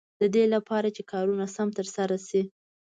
د دې لپاره چې کارونه سم تر سره شي.